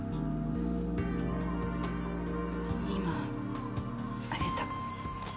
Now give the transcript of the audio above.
今、上げた。